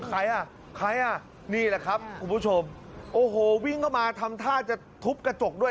ใครอ่ะใครอ่ะนี่แหละครับคุณผู้ชมโอ้โหวิ่งเข้ามาทำท่าจะทุบกระจกด้วย